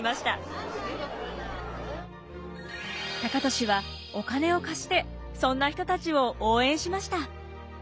高利はお金を貸してそんな人たちを応援しました。